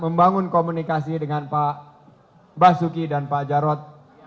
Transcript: membangun komunikasi dengan pak basuki dan pak jarod